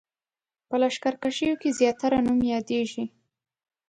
په لښکرکښیو کې زیاتره نوم یادېږي.